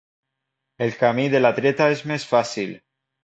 El camí de la dreta és més fàcil.